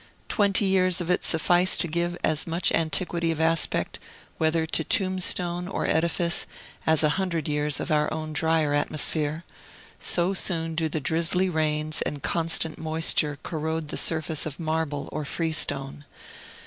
Twenty years of it suffice to give as much antiquity of aspect, whether to tombstone or edifice, as a hundred years of our own drier atmosphere, so soon do the drizzly rains and constant moisture corrode the surface of marble or freestone.